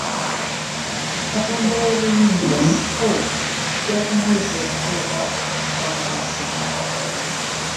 Katonda ow'obuyinza oo nja kumweza okutuuka okuva mu nsi.